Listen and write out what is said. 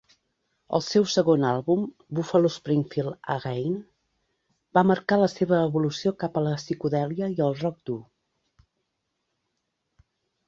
El seu segon àlbum, "Buffalo Springfield Again", va marcar la seva evolució cap a la psicodèlia i el rock dur.